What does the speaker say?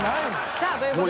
さあという事で。